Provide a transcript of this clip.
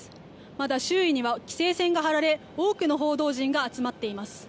まだ周囲には規制線が張られ多くの報道陣が集まっています。